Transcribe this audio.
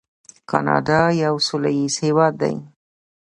کاناډا یو سوله ییز هیواد دی.